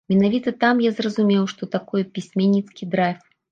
Менавіта там я зразумеў, што такое пісьменніцкі драйв.